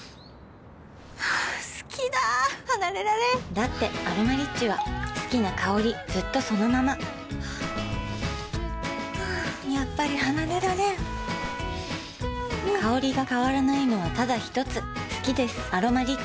好きだ離れられんだって「アロマリッチ」は好きな香りずっとそのままやっぱり離れられん香りが変わらないのはただひとつ好きです「アロマリッチ」